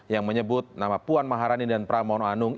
yang menyebut nama puan maharani dan pramono anung